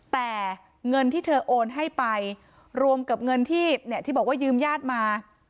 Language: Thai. แต่เงินที่เธอโอนให้ไปรวมกับเงินที่เนี่ยที่บอกว่ายืมญาติมา